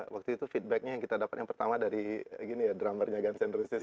waktu itu feedbacknya yang kita dapat yang pertama dari drummer nya guns n' roses